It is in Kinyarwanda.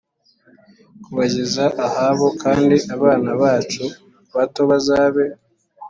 Kubageza ahabo kandi abana bacu bato bazabe